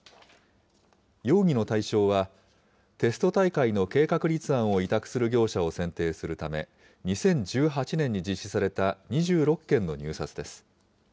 容疑の対象は、テスト大会の計画立案を委託する業者を選定するため、２０１８年に実施された２６件の入札です。